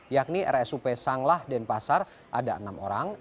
yakni rsup sanglah dan pasar ada enam orang